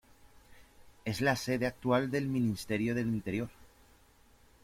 Es la sede actual del Ministerio del Interior.